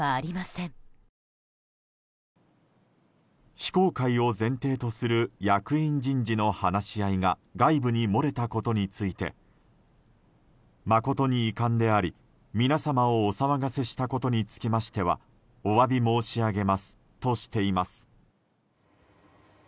非公開を前提とする役員人事の話し合いが外部に漏れたことについて誠に遺憾であり、皆様をお騒がせしたことにつきましてはお詫び申し上げますとしています。